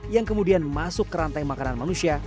yang kemudian masuk ke rantai makanan manusia